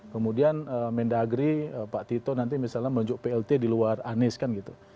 kemudian mendagri pak tito nanti misalnya menunjuk plt di luar anies kan gitu